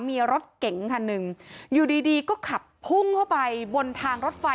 มีรถเก๋งคันหนึ่งอยู่ดีดีก็ขับพุ่งเข้าไปบนทางรถไฟ